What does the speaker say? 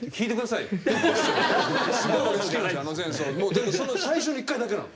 でもその最初の１回だけなの。